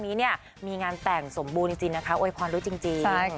นี้เนี่ยมีงานแต่งสมบูรณ์จริงนะคะโวยพรด้วยจริง